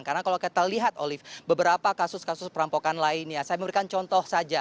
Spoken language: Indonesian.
karena kalau kita lihat olive beberapa kasus kasus perampokan lainnya saya memberikan contoh saja